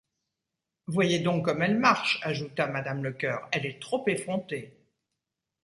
Voyez donc comme elle marche, ajouta madame Lecœur ; elle est trop effrontée.